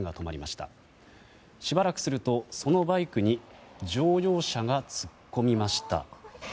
しばらくするとそのバイクに乗用車が突っ込みました。